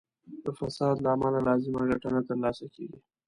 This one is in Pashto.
د فساد له امله لازمه ګټه نه تر لاسه کیږي.